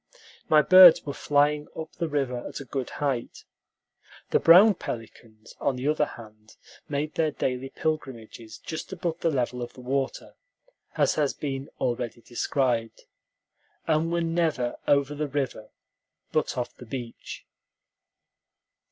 My birds were flying up the river at a good height. The brown pelicans, on the other hand, made their daily pilgrimages just above the level of the water, as has been already described, and were never over the river, but off the beach.